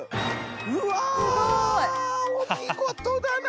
うわお見事だな